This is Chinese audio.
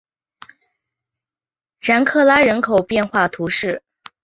然克拉人口变化图示